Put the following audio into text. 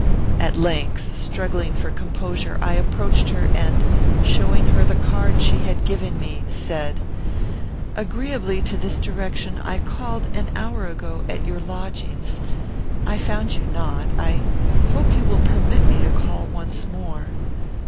At length, struggling for composure, I approached her, and, showing her the card she had given me, said, "Agreeably to this direction, I called an hour ago, at your lodgings. I found you not. I hope you will permit me to call once more.